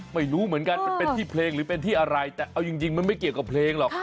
ไม่รู้เหมือนกันมันเป็นที่เพลงหรือเป็นที่อะไรแต่เอาจริงมันไม่เกี่ยวกับเพลงหรอก